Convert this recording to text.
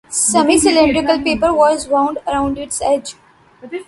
Semi-cylindrical paper was wound around its edge.